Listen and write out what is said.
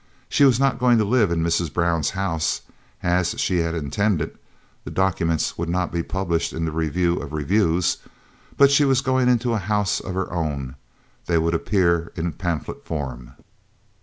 She was not going to live in Mrs. Brown's house as she had intended (the documents would not be published in the Review of Reviews), but she was going into a house of her own (they would appear in pamphlet form).